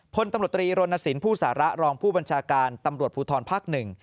พลตำรวจตรีรณสินผู้สาระรองผู้บัญชาการตำรวจภูทรภาคหนึ่ง